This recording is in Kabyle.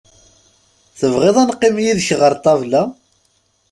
Tebɣiḍ ad neqqim yid-k ɣer ṭabla?